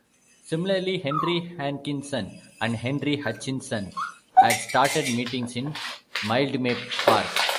Similarly Henry Hankinson and Henry Hutchinson had started meetings in Mildmay Park.